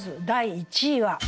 第２位は。